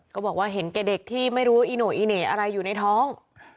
ก็บอกว่าเห็นแก่เด็กที่ไม่รู้อีโน่อีเหน่อะไรอยู่ในท้อง